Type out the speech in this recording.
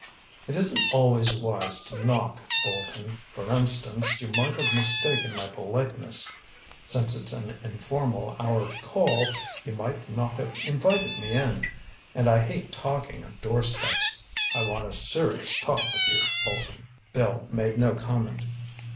"It isn't always wise to knock, Bolton. For instance, you might have mistaken my politeness. Since it's an informal hour to call, you might not have invited me in—and I hate talking on doorsteps. I want a serious talk with you, Bolton." Bill made no comment.